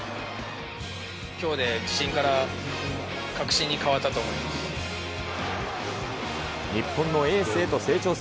きょうで自信から確信に変わったと思います。